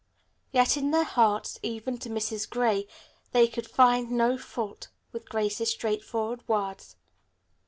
Yet in their hearts, even to Mrs. Gray, they could find no fault with Grace's straightforward words.